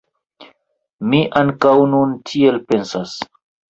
Mi ankaŭ nun tiel pensas.